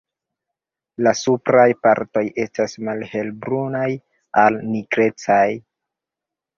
La supraj partoj estas malhelbrunaj al nigrecaj.